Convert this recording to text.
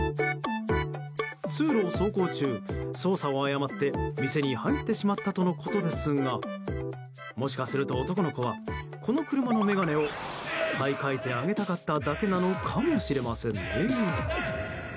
通路を走行中操作を誤って店に入ってしまったとのことですがもしかすると男の子はこの車の眼鏡を買い替えてあげたかっただけなのかもしれませんね。